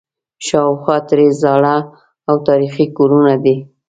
شاوخوا ترې زاړه او تاریخي کورونه دي.